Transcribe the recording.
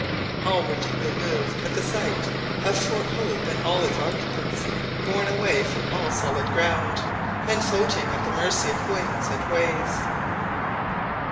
All were deeply moved at the sight of Fort Hope and all its occupants borne away from all solid ground, and floating at the mercy of winds and waves.